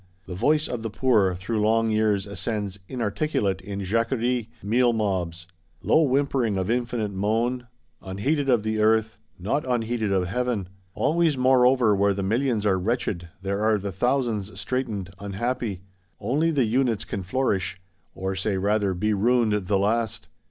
The voice of the poor, through long years, ascends inarticulate, in Jacqueries, meal mobs; low whimpering of infinite moan: unheeded of the Earth; not unheeded of Heaven. Always moreover where the Millions are wretched, there are the Thousands straitened, unhappy; only the Units can flourish; or say rather, be ruined the last.